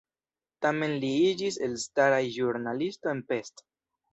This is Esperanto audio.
Tamen li iĝis elstara ĵurnalisto en Pest.